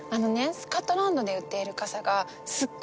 スカトランドで売っている傘がすっごい